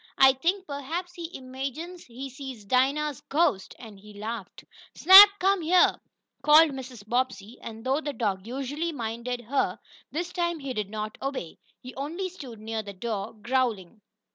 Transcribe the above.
I think perhaps he imagines he sees Dinah's ghost!" and he laughed. "Snap, come here!" called Mrs. Bobbsey, and, though the dog usually minded her, this time he did not obey. He only stood near the door, growling.